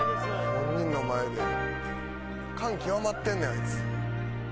本人の前で感極まってんねんあいつ。